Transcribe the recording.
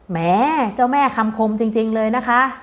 แม่เจ้าแม่คำคมจริงเลยนะคะ